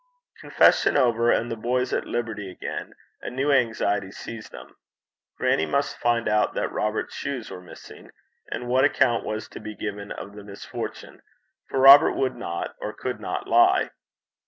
Confession over, and the boys at liberty again, a new anxiety seized them. Grannie must find out that Robert's shoes were missing, and what account was to be given of the misfortune, for Robert would not, or could not lie?